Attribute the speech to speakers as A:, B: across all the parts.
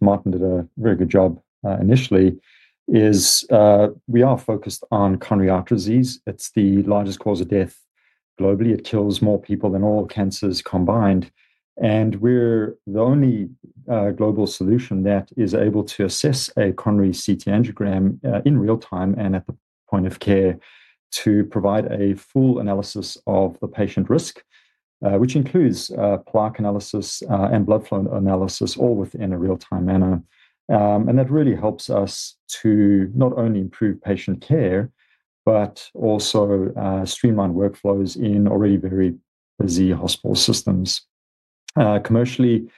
A: Martin did a very good job initially. We are focused on coronary artery disease. It's the largest cause of death globally. It kills more people than all cancers combined. We're the only global solution that is able to assess a coronary CT angiogram in real time and at the point of care to provide a full analysis of the patient risk, which includes plaque analysis and blood flow analysis, all within a real-time manner. That really helps us to not only improve patient care, but also streamline workflows in already very busy hospital systems. Commercially,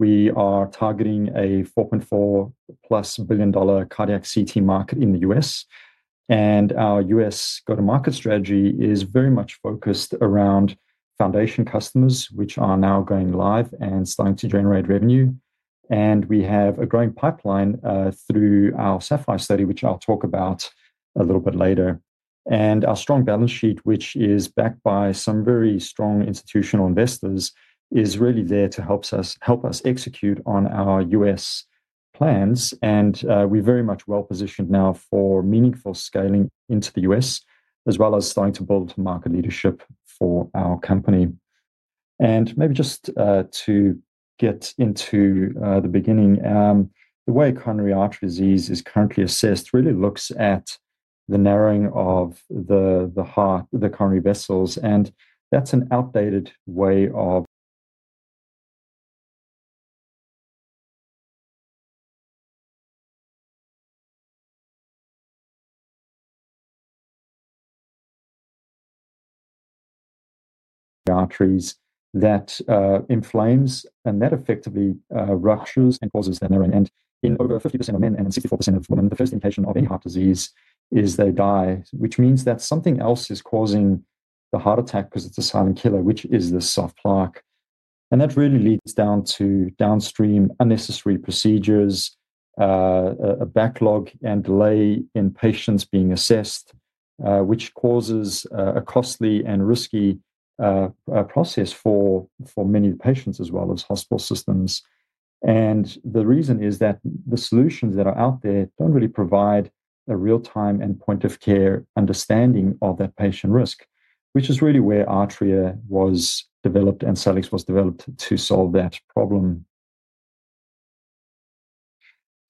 A: we are targeting a $4.4 billion-plus cardiac CT market in the U.S. Our U.S. go-to-market strategy is very much focused around foundation customers, which are now going live and starting to generate revenue. We have a growing pipeline through our SAPPHIRE study, which I'll talk about a little bit later. Our strong balance sheet, which is backed by some very strong institutional investors, is really there to help us execute on our U.S. plans. We are very much well positioned now for meaningful scaling into the US, as well as starting to build market leadership for our company. Maybe just to get into the beginning, the way coronary artery disease is currently assessed really looks at the narrowing of the coronary vessels. That is an outdated way of arteries that inflames and that effectively ruptures and causes the narrowing. In over 50% of men and 64% of women, the first indication of any heart disease is they die, which means that something else is causing the heart attack because it is a silent killer, which is the soft plaque. That really leads down to downstream unnecessary procedures, a backlog and delay in patients being assessed, which causes a costly and risky process for many of the patients, as well as hospital systems. The reason is that the solutions that are out there do not really provide a real-time and point-of-care understanding of that patient risk, which is really where Artrya was developed and Celix was developed to solve that problem.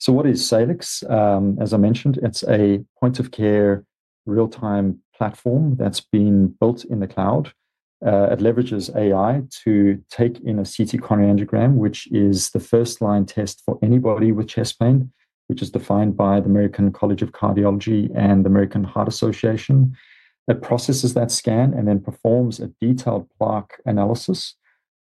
A: What is Celix? As I mentioned, it is a point-of-care real-time platform that has been built in the cloud. It leverages AI to take in a CT coronary angiogram, which is the first-line test for anybody with chest pain, which is defined by the American College of Cardiology and the American Heart Association. It processes that scan and then performs a detailed plaque analysis,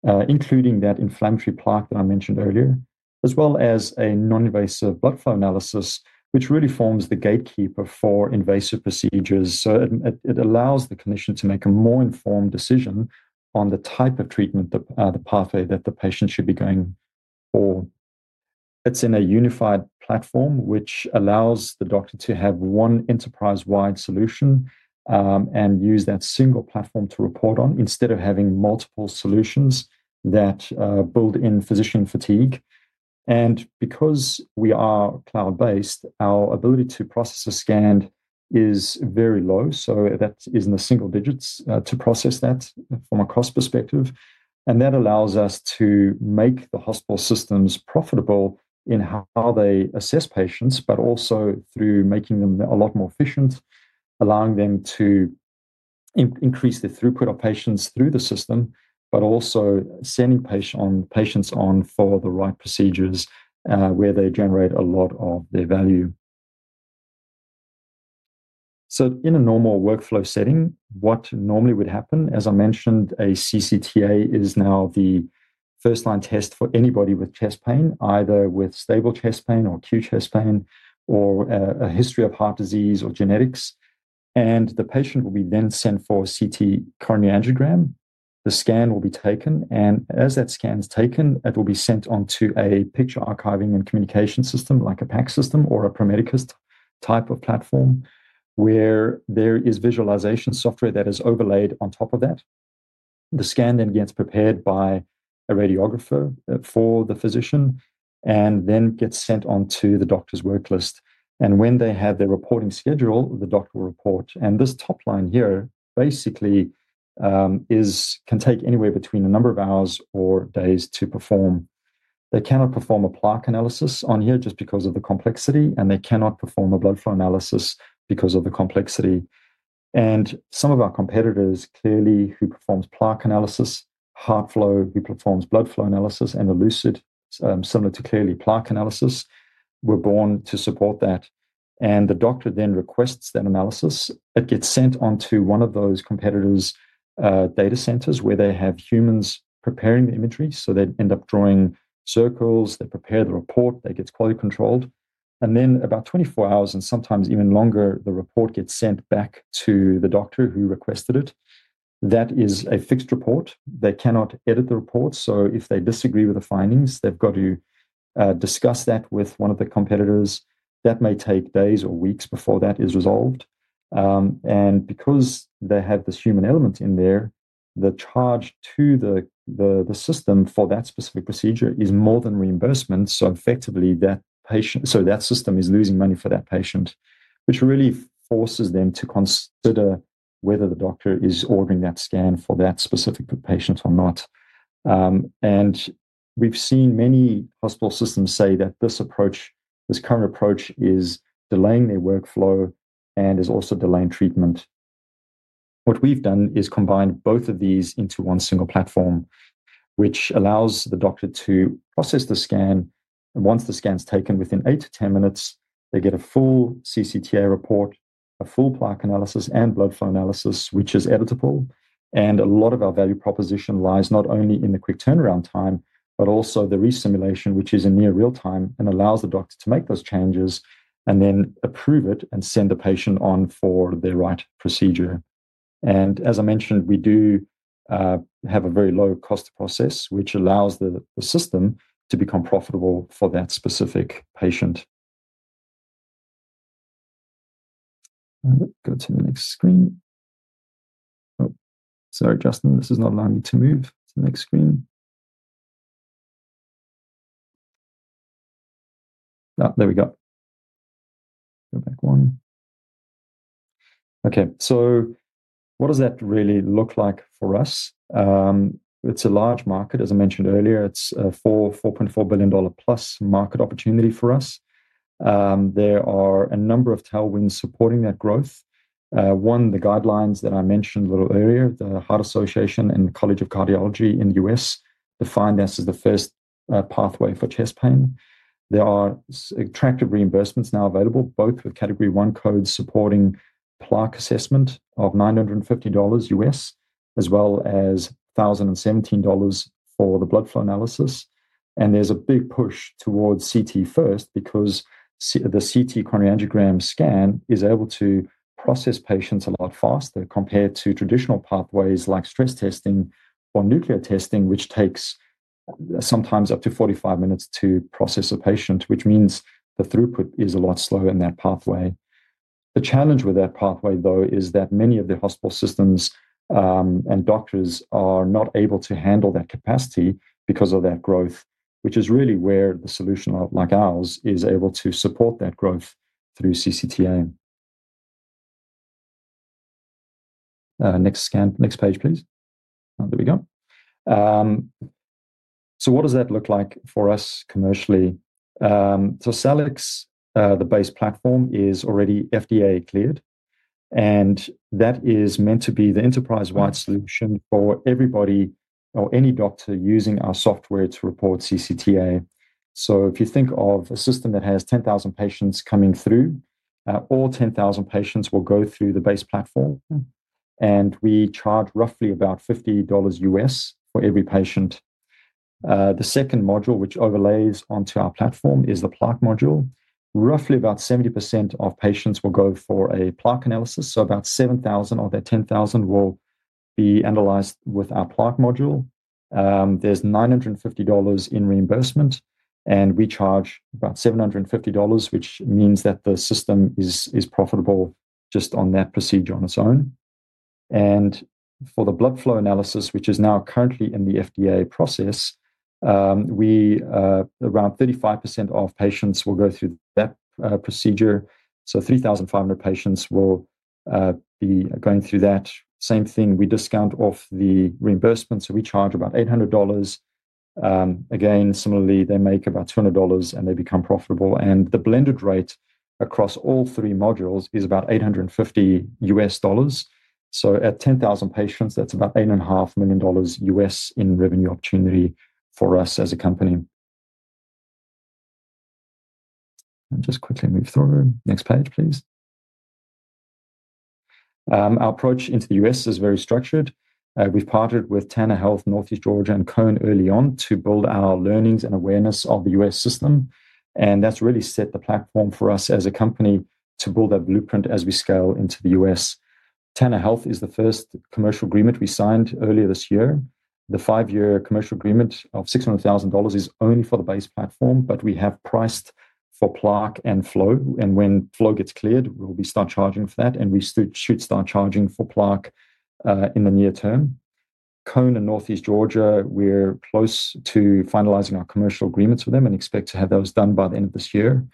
A: including that inflammatory plaque that I mentioned earlier, as well as a non-invasive blood flow analysis, which really forms the gatekeeper for invasive procedures. It allows the clinician to make a more informed decision on the type of treatment, the pathway that the patient should be going for. It's in a unified platform, which allows the doctor to have one enterprise-wide solution and use that single platform to report on, instead of having multiple solutions that build in physician fatigue. Because we are cloud-based, our ability to process a scan is very low. That is in the single digits to process that from a cost perspective. That allows us to make the hospital systems profitable in how they assess patients, but also through making them a lot more efficient, allowing them to increase the throughput of patients through the system, but also sending patients on for the right procedures where they generate a lot of their value. In a normal workflow setting, what normally would happen, as I mentioned, a CCTA is now the first-line test for anybody with chest pain, either with stable chest pain or acute chest pain or a history of heart disease or genetics. The patient will then be sent for a CT coronary angiogram. The scan will be taken. As that scan is taken, it will be sent onto a picture archiving and communication system like a PACS system or a Prometheus type of platform, where there is visualization software that is overlaid on top of that. The scan then gets prepared by a radiographer for the physician and then gets sent on to the doctor's worklist. When they have their reporting schedule, the doctor will report. This top line here basically can take anywhere between a number of hours or days to perform. They cannot perform a plaque analysis on here just because of the complexity, and they cannot perform a blood flow analysis because of the complexity. Some of our competitors, Cleerly, who performs plaque analysis, Heartflow, who performs blood flow analysis, and Elucid, similar to Cleerly, plaque analysis, were born to support that. The doctor then requests that analysis. It gets sent on to one of those competitors' data centers, where they have humans preparing the imagery. They end up drawing circles. They prepare the report. That gets quality controlled. About 24 hours, and sometimes even longer, the report gets sent back to the doctor who requested it. That is a fixed report. They cannot edit the report. If they disagree with the findings, they've got to discuss that with one of the competitors. That may take days or weeks before that is resolved. Because they have this human element in there, the charge to the system for that specific procedure is more than reimbursement. Effectively, that system is losing money for that patient, which really forces them to consider whether the doctor is ordering that scan for that specific patient or not. We've seen many hospital systems say that this approach, this current approach, is delaying their workflow and is also delaying treatment. What we've done is combined both of these into one single platform, which allows the doctor to process the scan. Once the scan's taken, within eight to 10 minutes, they get a full CCTA report, a full plaque analysis, and blood flow analysis, which is editable. A lot of our value proposition lies not only in the quick turnaround time, but also the resimulation, which is in near real time and allows the doctor to make those changes and then approve it and send the patient on for their right procedure. As I mentioned, we do have a very low-cost process, which allows the system to become profitable for that specific patient. Go to the next screen. Sorry, Justin, this is not allowing me to move to the next screen. There we go. Go back one. Okay, so what does that really look like for us? It's a large market, as I mentioned earlier. It's a $4.4 billion-plus market opportunity for us. There are a number of tailwinds supporting that growth. One, the guidelines that I mentioned a little earlier, the American Heart Association and American College of Cardiology in the U.S. defined this as the first pathway for chest pain. There are attractive reimbursements now available, both with category one codes supporting plaque assessment of $950, as well as $1,017 for the blood flow analysis. There is a big push towards CT first because the CT coronary angiogram scan is able to process patients a lot faster compared to traditional pathways like stress testing or nuclear testing, which takes sometimes up to 45 minutes to process a patient, which means the throughput is a lot slower in that pathway. The challenge with that pathway, though, is that many of the hospital systems and doctors are not able to handle that capacity because of that growth, which is really where the solution like ours is able to support that growth through CCTA. Next page, please. There we go. What does that look like for us commercially? Celix, the base platform, is already FDA cleared. That is meant to be the enterprise-wide solution for everybody or any doctor using our software to report CCTA. If you think of a system that has 10,000 patients coming through, all 10,000 patients will go through the base platform. We charge roughly about $50 for every patient. The second module, which overlays onto our platform, is the plaque module. Roughly about 70% of patients will go for a plaque analysis. About 7,000 of that 10,000 will be analyzed with our plaque module. There's $950 in reimbursement, and we charge about $750, which means that the system is profitable just on that procedure on its own. For the blood flow analysis, which is now currently in the FDA process, around 35% of patients will go through that procedure. So 3,500 patients will be going through that. Same thing, we discount off the reimbursement. We charge about $800. Again, similarly, they make about $200, and they become profitable. The blended rate across all three modules is about $850. At 10,000 patients, that's about $8.5 million in revenue opportunity for us as a company. Just quickly move through. Next page, please. Our approach into the U.S. is very structured. We've partnered with Tanner Health, Northeast Georgia, and Cohn early on to build our learnings and awareness of the U.S. system. That has really set the platform for us as a company to build our blueprint as we scale into the U.S. Tanner Health is the first commercial agreement we signed earlier this year. The five-year commercial agreement of $600,000 is only for the base platform, but we have priced for plaque and flow. When flow gets cleared, we'll start charging for that, and we should start charging for plaque in the near term. Cohn and Northeast Georgia, we're close to finalizing our commercial agreements with them and expect to have those done by the end of this year.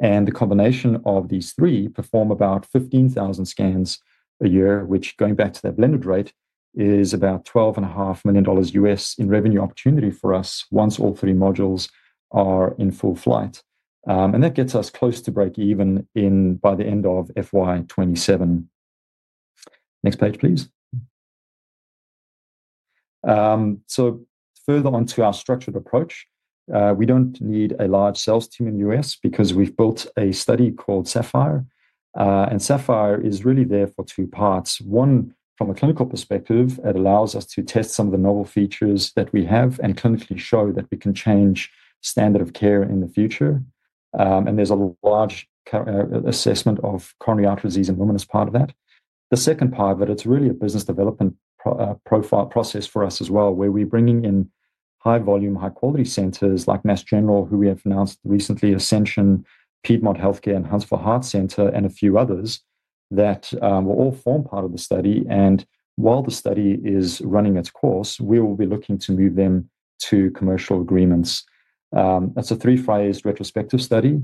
A: The combination of these three performs about 15,000 scans a year, which, going back to that blended rate, is about $12.5 million in revenue opportunity for us once all three modules are in full flight. That gets us close to break even by the end of FY2027. Next page, please. Further on to our structured approach, we do not need a large sales team in the U.S. because we have built a study called SAPPHIRE. SAPPHIRE is really there for two parts. One, from a clinical perspective, it allows us to test some of the novel features that we have and clinically show that we can change standard of care in the future. There is a large assessment of coronary artery disease in women as part of that. The second part of it, it's really a business development process for us as well, where we're bringing in high-volume, high-quality centers like Mass General, who we have announced recently, Ascension, Piedmont Healthcare, and Huntsville Heart Center, and a few others that will all form part of the study. While the study is running its course, we will be looking to move them to commercial agreements. It's a three-phase retrospective study.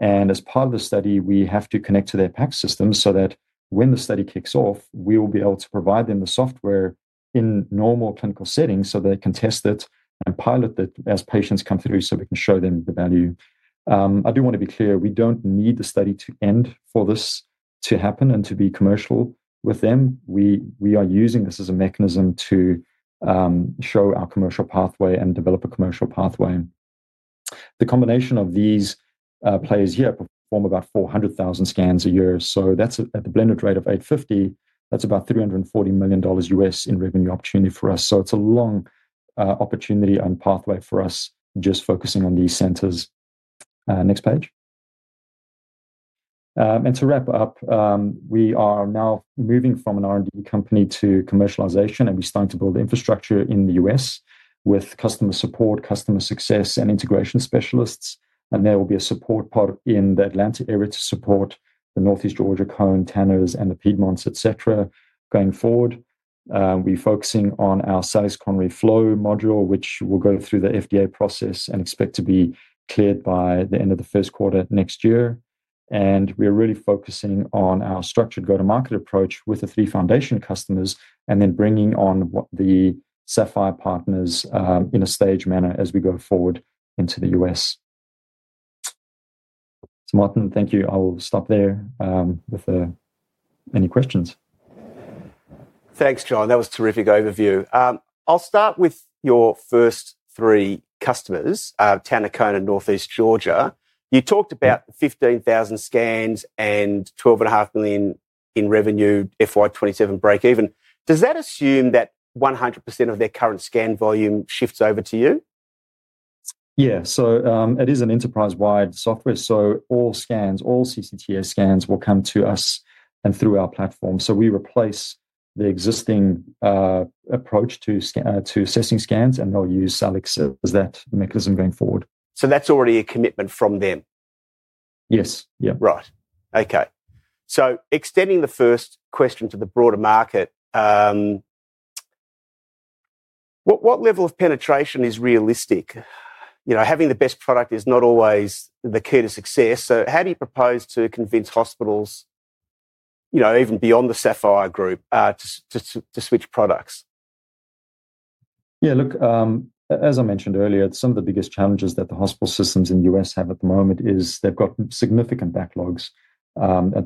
A: As part of the study, we have to connect to their PACS system so that when the study kicks off, we will be able to provide them the software in normal clinical settings so they can test it and pilot it as patients come through so we can show them the value. I do want to be clear. We don't need the study to end for this to happen and to be commercial with them. We are using this as a mechanism to show our commercial pathway and develop a commercial pathway. The combination of these players here performs about 400,000 scans a year. At the blended rate of $850, that's about $340 million in revenue opportunity for us. It is a long opportunity and pathway for us just focusing on these centers. Next page. To wrap up, we are now moving from an R&D company to commercialization, and we're starting to build infrastructure in the US with customer support, customer success, and integration specialists. There will be a support pod in the Atlanta area to support the Northeast Georgia, Cohn, Tanners, and the Piedmonts, etc., going forward. We're focusing on our Celix Coronary Flow module, which will go through the FDA process and expect to be cleared by the end of the first quarter next year. We are really focusing on our structured go-to-market approach with the three foundation customers and then bringing on the SAPPHIRE partners in a staged manner as we go forward into the U.S. Martin, thank you. I will stop there with any questions. Thanks, John. That was a terrific overview. I'll start with your first three customers, Tanner, Cohn, and Northeast Georgia. You talked about 15,000 scans and $12.5 million in revenue, FY2027 break-even. Does that assume that 100% of their current scan volume shifts over to you? Yeah, so it is an enterprise-wide software. All scans, all CCTA scans will come to us and through our platform. We replace the existing approach to assessing scans, and they'll use Celix as that mechanism going forward. That's already a commitment from them. Yes. Yeah. Right. Okay. Extending the first question to the broader market, what level of penetration is realistic? Having the best product is not always the key to success. How do you propose to convince hospitals, even beyond the SAPPHIRE group, to switch products? Yeah, look, as I mentioned earlier, some of the biggest challenges that the hospital systems in the US have at the moment is they've got significant backlogs.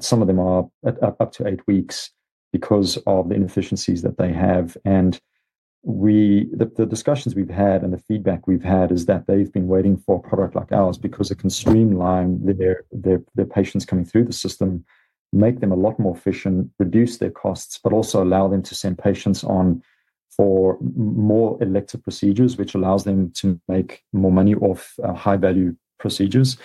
A: Some of them are up to eight weeks because of the inefficiencies that they have. The discussions we've had and the feedback we've had is that they've been waiting for a product like ours because it can streamline their patients coming through the system, make them a lot more efficient, reduce their costs, but also allow them to send patients on for more elective procedures, which allows them to make more money off high-value procedures.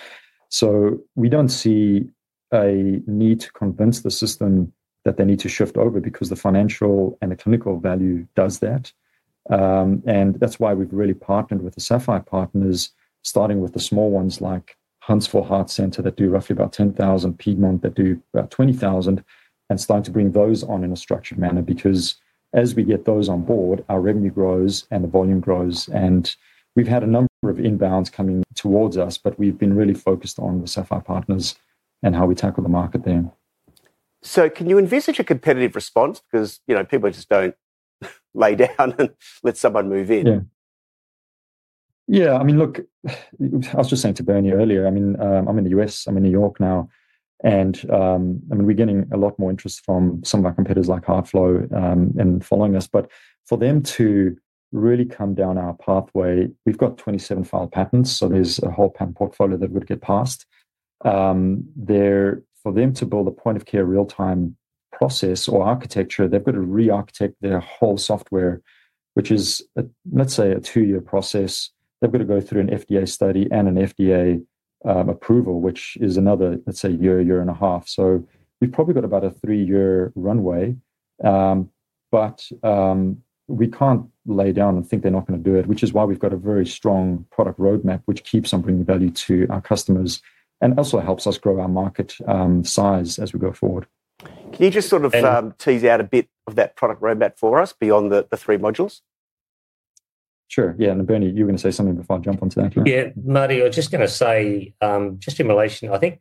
A: We don't see a need to convince the system that they need to shift over because the financial and the clinical value does that. That's why we've really partnered with the SAPPHIRE partners, starting with the small ones like Huntsville Heart Center that do roughly about 10,000, Piedmont that do about 20,000, and starting to bring those on in a structured manner because as we get those on board, our revenue grows and the volume grows. We've had a number of inbounds coming towards us, but we've been really focused on the SAPPHIRE partners and how we tackle the market there. Can you envisage a competitive response? Because people just don't lay down and let someone move in. Yeah. Yeah, I mean, look, I was just saying to Bernie earlier, I mean, I'm in the U.S. I'm in New York now. I mean, we're getting a lot more interest from some of our competitors like Heartflow and following us. For them to really come down our pathway, we've got 27 filed patents. There's a whole patent portfolio that would get passed. For them to build a point-of-care real-time process or architecture, they've got to re-architect their whole software, which is, let's say, a two-year process. They've got to go through an FDA study and an FDA approval, which is another, let's say, year, year and a half. We've probably got about a three-year runway. We can't lay down and think they're not going to do it, which is why we've got a very strong product roadmap, which keeps on bringing value to our customers and also helps us grow our market size as we go forward. Can you just sort of tease out a bit of that product roadmap for us beyond the three modules? Sure. Yeah. And Bernie, you were going to say something before I jump onto that.
B: Yeah, Martin, I was just going to say, just in relation, I think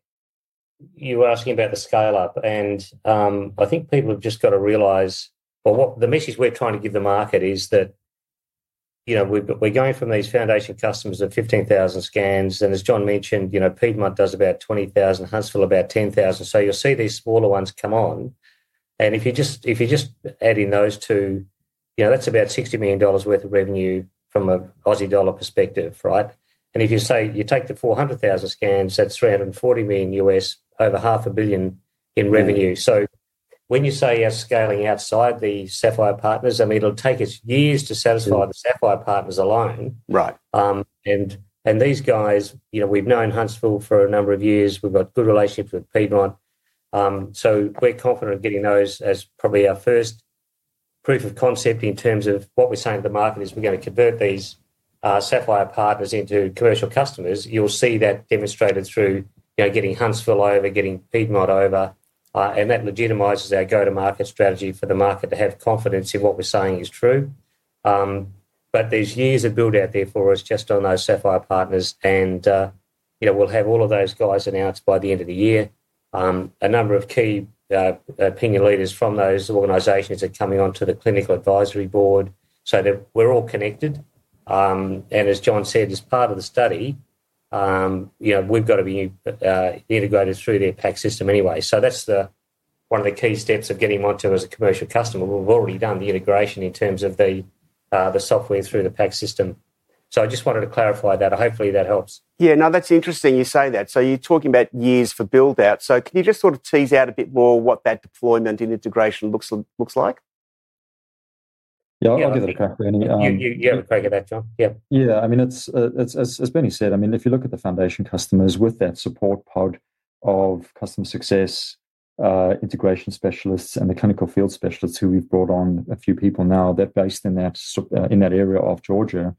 B: you were asking about the scale-up. I think people have just got to realize, the message we're trying to give the market is that we're going from these foundation customers of 15,000 scans. As John mentioned, Piedmont does about 20,000, Huntsville about 10,000. You will see these smaller ones come on. If you're just adding those two, that's about $60 million worth of revenue from an Aussie dollar perspective, right? If you take the 400,000 scans, that's $340 million, over $500 million in revenue. When you say you're scaling outside the SAPPHIRE partners, I mean, it'll take us years to satisfy the SAPPHIRE partners alone. These guys, we've known Huntsville for a number of years. We've got a good relationship with Piedmont. We're confident in getting those as probably our first proof of concept in terms of what we're saying to the market is we're going to convert these SAPPHIRE partners into commercial customers. You'll see that demonstrated through getting Huntsville over, getting Piedmont over. That legitimizes our go-to-market strategy for the market to have confidence in what we're saying is true. There's years of build-out there for us just on those SAPPHIRE partners. We'll have all of those guys announced by the end of the year. A number of key opinion leaders from those organizations are coming onto the clinical advisory board. We're all connected. As John said, as part of the study, we've got to be integrated through their PACS system anyway. That is one of the key steps of getting onto it as a commercial customer. We've already done the integration in terms of the software through the PACS system. I just wanted to clarify that. Hopefully, that helps. Yeah. No, that's interesting you say that. You're talking about years for build-out. Can you just sort of tease out a bit more what that deployment and integration looks like?
A: Yeah, I'll give it a crack, Bernie.
B: You have a crack at that, John. Yeah.
A: Yeah. I mean, as Bernie said, if you look at the foundation customers with that support pod of customer success integration specialists and the clinical field specialists who we've brought on, a few people now, they're based in that area of Georgia.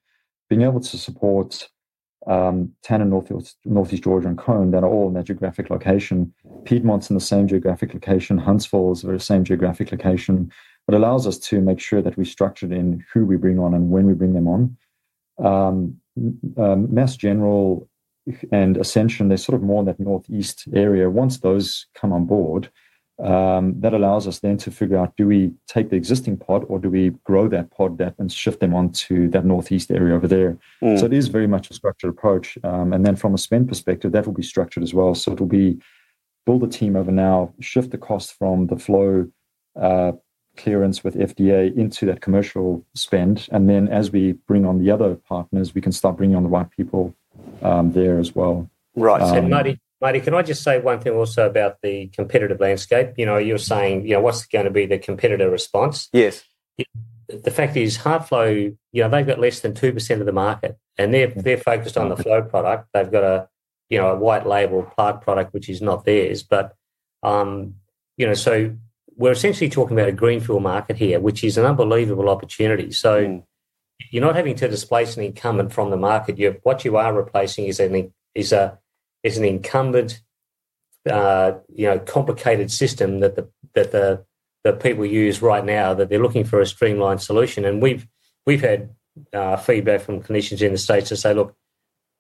A: Being able to support Tanner, Northeast Georgia, and Cohn, they're all in that geographic location. Piedmont's in the same geographic location. Huntsville is the same geographic location. It allows us to make sure that we're structured in who we bring on and when we bring them on. Mass General and Ascension, they're sort of more in that northeast area. Once those come on board, that allows us then to figure out, do we take the existing pod or do we grow that pod and shift them onto that northeast area over there? It is very much a structured approach. From a spend perspective, that will be structured as well. It'll be build a team over now, shift the cost from the flow clearance with FDA into that commercial spend. Then as we bring on the other partners, we can start bringing on the right people there as well.
B: Right. And Martin, can I just say one thing also about the competitive landscape? You were saying, what's going to be the competitor response? Yes. The fact is, Heartflow, they've got less than 2% of the market. They're focused on the flow product. They've got a white-labeled product, which is not theirs. We're essentially talking about a greenfield market here, which is an unbelievable opportunity. You're not having to displace an incumbent from the market. What you are replacing is an incumbent, complicated system that the people use right now that they're looking for a streamlined solution. We've had feedback from clinicians in the States to say, "Look,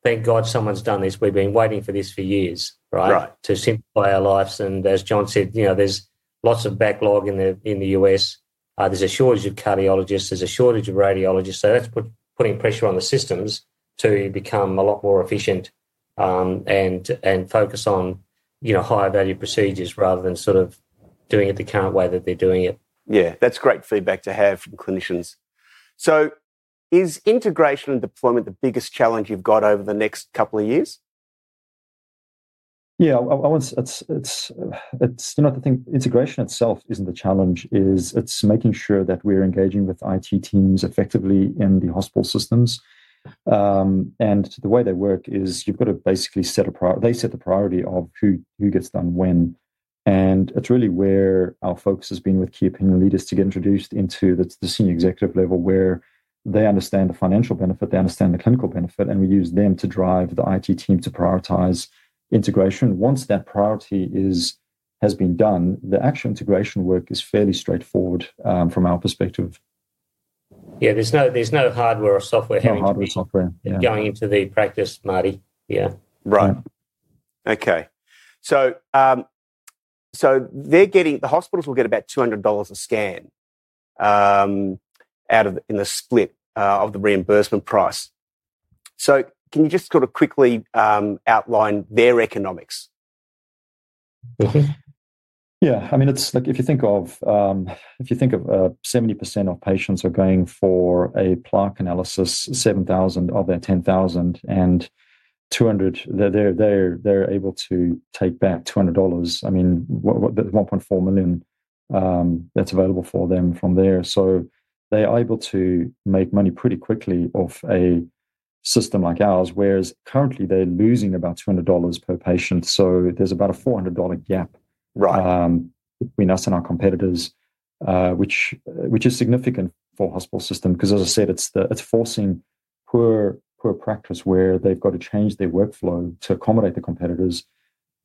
B: thank God someone's done this. We've been waiting for this for years, right, to simplify our lives. As John said, there's lots of backlog in the US. There's a shortage of cardiologists. There's a shortage of radiologists. That is putting pressure on the systems to become a lot more efficient and focus on higher-value procedures rather than sort of doing it the current way that they're doing it. Yeah. That's great feedback to have from clinicians. Is integration and deployment the biggest challenge you've got over the next couple of years?
A: Yeah. You know, I think integration itself isn't the challenge. It's making sure that we're engaging with IT teams effectively in the hospital systems. The way they work is you've got to basically set a priority; they set the priority of who gets done when. It's really where our focus has been with key opinion leaders to get introduced into the senior executive level where they understand the financial benefit. They understand the clinical benefit. We use them to drive the IT team to prioritize integration. Once that priority has been done, the actual integration work is fairly straightforward from our perspective.
B: Yeah. There's no hardware or software going into the practice, Martin.
A: Yeah. Right. Okay. The hospitals will get about $200 a scan in the split of the reimbursement price. Can you just sort of quickly outline their economics? Yeah. I mean, if you think of 70% of patients are going for a plaque analysis, 7,000 of their 10,000, and 200, they're able to take back $200. I mean, $1.4 million that's available for them from there. They are able to make money pretty quickly off a system like ours, whereas currently they're losing about $200 per patient. There's about a $400 gap between us and our competitors, which is significant for a hospital system because, as I said, it's forcing poor practice where they've got to change their workflow to accommodate the competitors.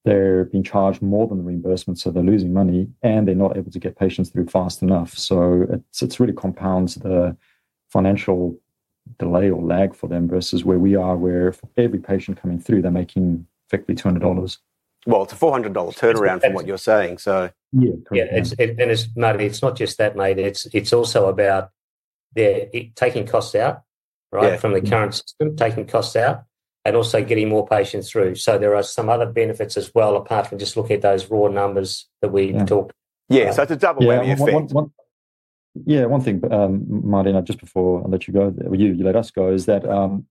A: They're being charged more than the reimbursement, so they're losing money, and they're not able to get patients through fast enough. It really compounds the financial delay or lag for them versus where we are, where for every patient coming through, they're making effectively $200. It's a $400 turnaround from what you're saying. Yeah.
B: It's not just that, mate. It's also about taking costs out, right, from the current system, taking costs out, and also getting more patients through. There are some other benefits as well apart from just looking at those raw numbers that we talked. Yeah. It's a double whammy, I think. Yeah. One thing, Martin, just before I let you go, you let us go, is that about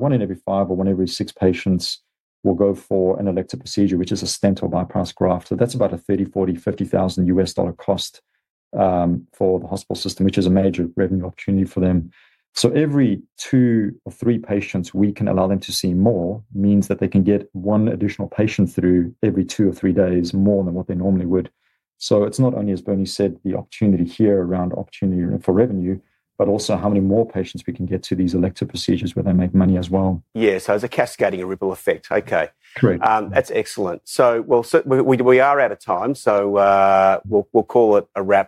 B: one in every five or one in every six patients will go for an elective procedure, which is a stent or bypass graft. That's about a $30,000-$50,000 cost for the hospital system, which is a major revenue opportunity for them. Every two or three patients we can allow them to see more means that they can get one additional patient through every two or three days more than what they normally would. It is not only, as Bernie said, the opportunity here around opportunity for revenue, but also how many more patients we can get to these elective procedures where they make money as well. Yeah. It is a cascading ripple effect. Okay. That is excellent. We are out of time. We will call it a wrap.